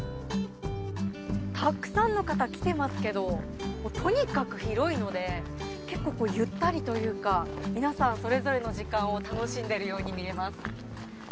たくさんの方が来てますけどとにかく広いので結構ゆったりというか皆さん、それぞれの時間を楽しんでいるように見えます。